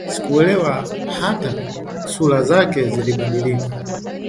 Sikuelewa! Hata sura zake zilibadilika